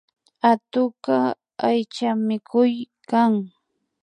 Atukka aychamikuk kan